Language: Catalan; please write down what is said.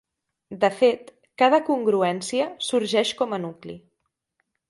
De fet, cada congruència sorgeix com a nucli.